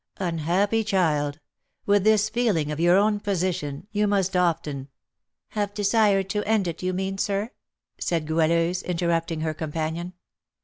"Unhappy child! With this feeling of your own position, you must often " "Have desired to end it, you mean, sir?" said Goualeuse, interrupting her companion.